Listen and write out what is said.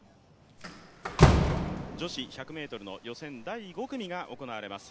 女子１００ｍの予選第５組が行われます。